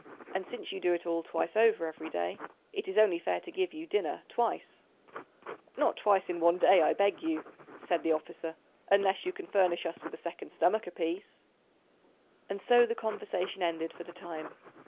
And since you do it all twice over every day, it is only fair to give you dinner twice." "Not twice in one day, I beg you!" said the officer, "unless you can furnish us with a second stomach apiece." And so the conversation ended for the time.